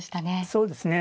そうですね。